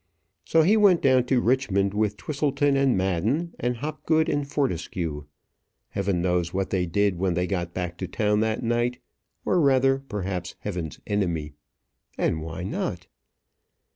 So he went down to Richmond with Twisleton and Madden, and Hopgood and Fortescue. Heaven knows what they did when they got back to town that night or, rather, perhaps heaven's enemy. And why not?